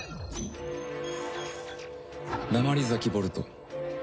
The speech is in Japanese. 鉛崎ボルト。